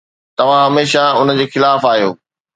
توهان هميشه ان جي خلاف آهيو